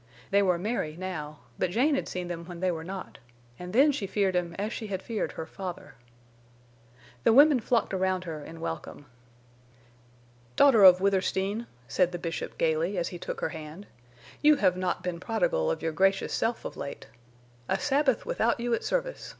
They were merry now; but Jane had seen them when they were not, and then she feared him as she had feared her father. The women flocked around her in welcome. "Daughter of Withersteen," said the Bishop, gaily, as he took her hand, "you have not been prodigal of your gracious self of late. A Sabbath without you at service!